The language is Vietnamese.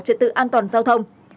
trật tự an toàn giao thông